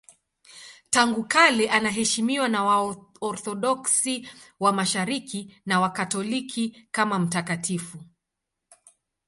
Tangu kale anaheshimiwa na Waorthodoksi wa Mashariki na Wakatoliki kama mtakatifu.